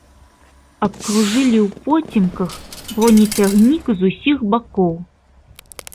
Абкружылі ўпоцемках бронецягнік з усіх бакоў.